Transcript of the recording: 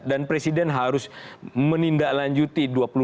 dan presiden harus menindaklanjuti